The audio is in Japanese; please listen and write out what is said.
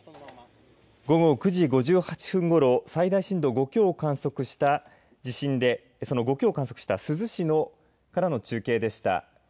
午後９時５８分ごろ最大震度５強を観測した地震でその５強を観測した珠洲市のからの中継でした。